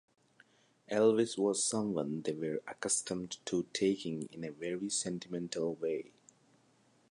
Elvis was someone they were accustomed to taking in a very sentimental way.